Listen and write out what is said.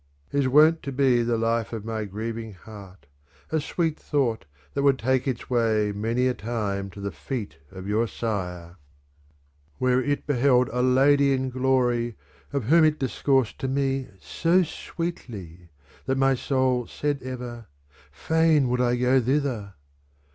II Is wont to be the life of my grieving heart a sweet thought that would take its way many a time to the feet of your Sire, Where it beheld a lady in glory of whom it discoursed to me so sweetly that my soul said ever :' Fain would I go thither.'